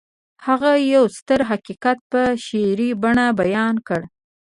هغه يو ستر حقيقت په شعري بڼه بيان کړ.